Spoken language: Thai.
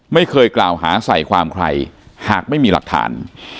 ไม่เคยกล่าวหาใส่ความใครหากไม่มีหลักฐาน